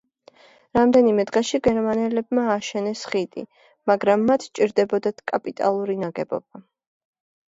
რამდენიმე დღეში გერმანელებმა ააშენეს ხიდი, მაგრამ მათ სჭირდებოდათ კაპიტალური ნაგებობა.